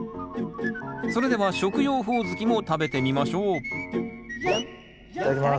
それでは食用ホオズキも食べてみましょういただきます。